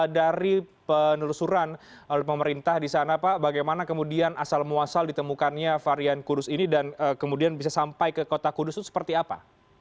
dari penelusuran oleh pemerintah di sana pak bagaimana kemudian asal muasal ditemukannya varian kudus ini dan kemudian bisa sampai ke kota kudus itu seperti apa